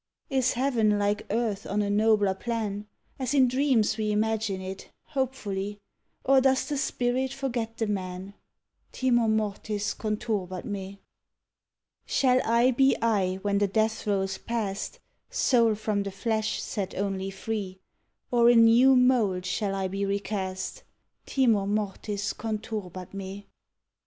_ Is heaven like earth on a nobler plan, As in dreams we image it, hopefully, Or does the Spirit forget the Man? Timor mortis conturbat me. Shall I be I when the death throe's past, Soul from the flesh set only free, Or in new mould shall I be recast? _Timor mortis conturbat me.